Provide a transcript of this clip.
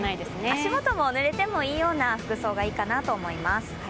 足元も濡れてもいいような服装がいいかなと思います。